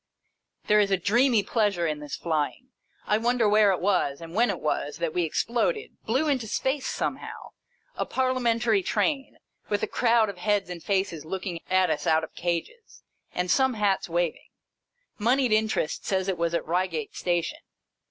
There is a dreamy pleasure in this flying. I wonder where it was, and when it was, that we exploded, blew into space somehow, a Parliamentary Train, with a crowd of heads and faces looking at us out of cages, and some hats waving. Monied Interest says it was at Eeigate Station.